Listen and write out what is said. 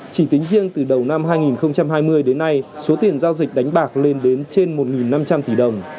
chỉ tính riêng từ đầu năm hai nghìn hai mươi đến nay số tiền giao dịch đánh bạc lên đến trên một năm trăm linh tỷ đồng